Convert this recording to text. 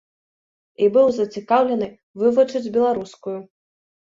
І быў зацікаўлены вывучыць беларускую.